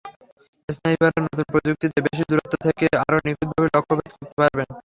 স্নাইপাররা নতুন প্রযুক্তিতে বেশি দূরত্ব থেকে আরও নিখুঁতভাবে লক্ষ্যভেদ করতে পারবেন।